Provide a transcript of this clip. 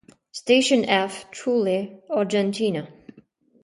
Station F, Trelew, Argentina.